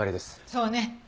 そうね。